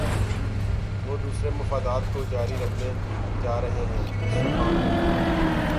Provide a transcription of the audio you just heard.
وہ دوسرے مفادات کو جاری رکھنے جا رہے ہیں مِسٹر جان نے کہا